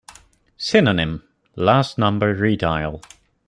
"Synonym" last number redial.